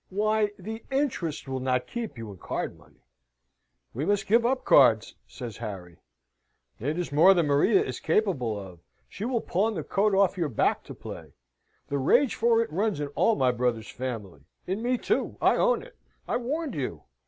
"Why, the interest will not keep you in card money." "We must give up cards," says Harry. "It is more than Maria is capable of. She will pawn the coat off your back to play. The rage for it runs in all my brother's family in me too, I own it. I warned you.